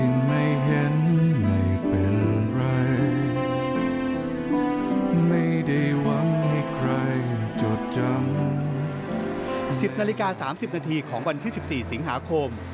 ๑๐นาฬิกา๓๐นาทีของวันที่๑๔สิงหาคม